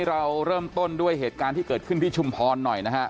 เราเริ่มต้นด้วยเหตุการณ์ที่เกิดขึ้นที่ชุมพรหน่อยนะฮะ